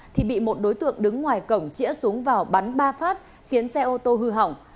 thì bị một đối tượng đứng ngoài cổng chĩa súng vào bắn ba phát khiến xe ô tô hư hỏng